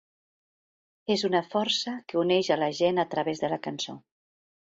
És una força que uneix a la gent a través de la cançó.